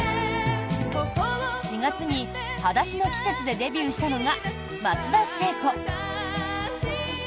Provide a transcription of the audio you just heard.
４月に「裸足の季節」でデビューしたのが松田聖子。